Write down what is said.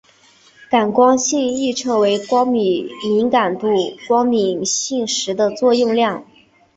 感光性亦称光敏感度或光敏性时的作用量。